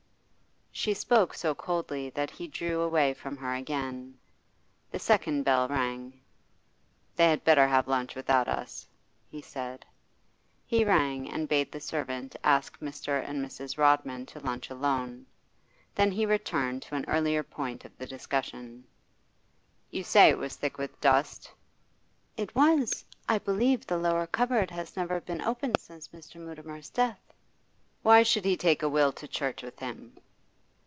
She spoke so coldly that he drew away from her again. The second bell rang. 'They had better have lunch without us,' he said. He rang and bade the servant ask Mr. and Mrs. Rodman to lunch alone. Then he returned to an earlier point of the discussion. 'You say it was thick with dust?' 'It was. I believe the lower cupboard has never been open since Mr. Mutimer's death.' 'Why should he take a will to church with him?